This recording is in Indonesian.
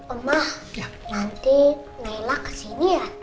emah nanti nailah kesini ya